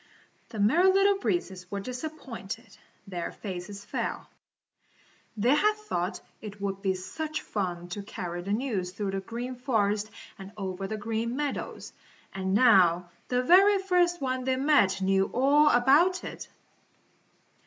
The Merry Little Breezes were disappointed. Their faces fell. They had thought it would be such fun to carry the news through the Green Forest and over the Green Meadows, and now the very first one they met knew all about it.